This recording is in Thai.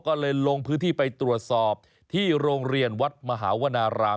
ก็เลยลงพื้นที่ไปตรวจสอบที่โรงเรียนวัดมหาวนาราม